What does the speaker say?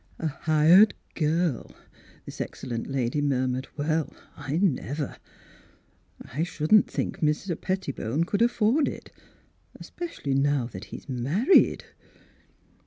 " A hired girl !" this excellent lady murmured. " Well, I never ! I shouldn't think Mr. Pettibone could afford it, especially now that he's married."